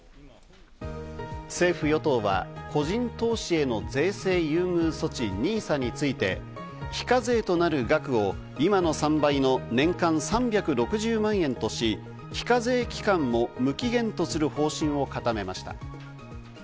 政府・与党は個人投資への税制優遇措置ＮＩＳＡについて、非課税となる額を今の３倍の年間３６０万円とし、非課税期間も無期限とする方針を固めました。